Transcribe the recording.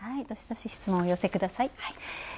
どしどし質問、お寄せください。